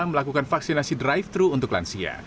melakukan vaksinasi drive thru untuk lansia